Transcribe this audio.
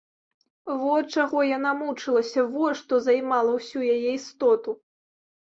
Во чаго яна мучылася, во што займала ўсю яе істоту!